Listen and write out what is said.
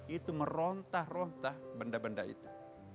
itu merontah rontah benda benda itu